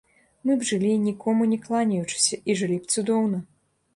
Мы б жылі, нікому не кланяючыся, і жылі б цудоўна!